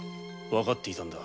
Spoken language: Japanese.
分かっていたんだ